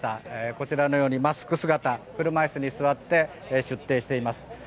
こちらのようにマスク姿車椅子に座って出廷しています。